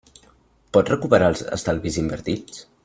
Pots recuperar els estalvis invertits?